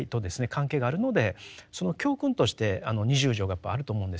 関係があるのでその教訓としてあの二十条がやっぱりあると思うんですよ。